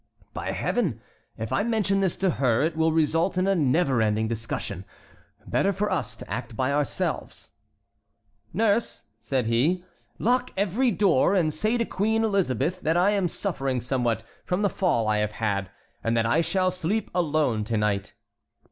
"By Heaven! If I mention this to her it will result in a never ending discussion. Better for us to act by ourselves. "Nurse," said he, "lock every door, and say to Queen Elizabeth that I am suffering somewhat from the fall I have had, and that I shall sleep alone to night."